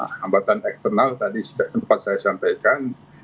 hambatan eksternal tadi sempat saya sampaikan